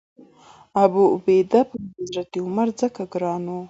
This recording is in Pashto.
ابوعبیده پر حضرت عمر ځکه ګران و.